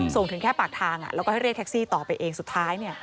ส่งถึงแค่ปากทางแล้วก็ให้เรียกแท็กซี่ต่อไปเองสุดท้าย